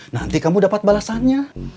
nanti kamu dapat balasannya